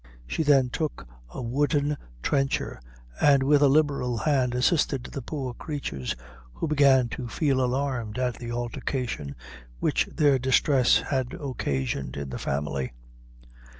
She then took a wooden trencher, and with a liberal hand assisted the poor creatures, who began to feel alarmed at the altercation which their distress had occasioned in the family.